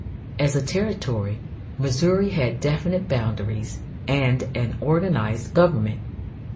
As a territory Missouri had definite boundaries and an organized government.